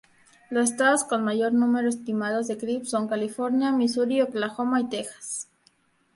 Los estados con mayor número estimado de Crips son California, Missouri, Oklahoma y Texas.